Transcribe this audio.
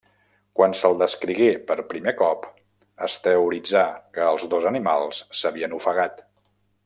Quan se'l descrigué per primer cop, es teoritzà que els dos animals s'havien ofegat.